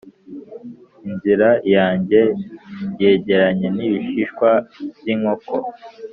inzira yanjye yegeranye n'ibishishwa by'inkoko,